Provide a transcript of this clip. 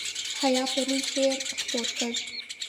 حیا پرون شعر خپور کړ.